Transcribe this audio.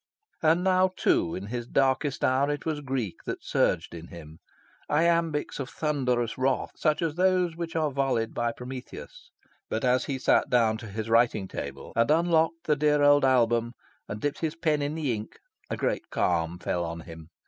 And now, too, in his darkest hour, it was Greek that surged in him iambics of thunderous wrath such as those which are volleyed by Prometheus. But as he sat down to his writing table, and unlocked the dear old album, and dipped his pen in the ink, a great calm fell on him.